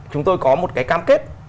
chúng tôi có một cái cam kết